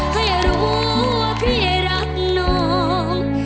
ให้รู้ว่าพี่รักน้อง